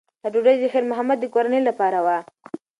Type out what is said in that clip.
دا ډوډۍ د خیر محمد د کورنۍ لپاره وه.